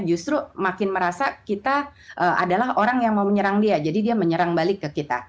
justru makin merasa kita adalah orang yang mau menyerang dia jadi dia menyerang balik ke kita